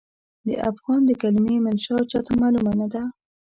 د افغان د کلمې منشا چاته معلومه نه ده.